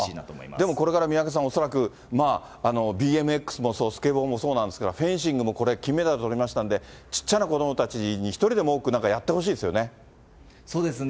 でも、これから三宅さん、恐らく、まあ、ＢＭＸもそう、スケボーもそうなんですが、フェンシングもこれ、金メダルとりましたので、ちっちゃな子どもたちに一人でも多くやってほしいですよね。